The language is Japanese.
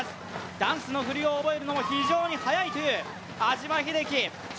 ダンスのフリを覚えるのも非常に早いという安嶋秀生。